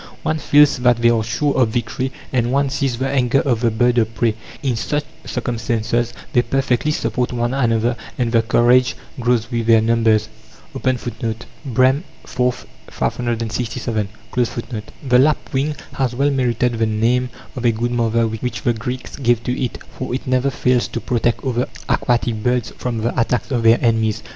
One feels that they are sure of victory, and one sees the anger of the bird of prey. In such circumstances they perfectly support one another, and their courage grows with their numbers."(19) The lapwing has well merited the name of a "good mother" which the Greeks gave to it, for it never fails to protect other aquatic birds from the attacks of their enemies.